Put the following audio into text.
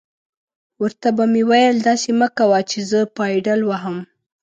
ور ته به مې ویل: داسې مه کوه چې زه پایډل وهم.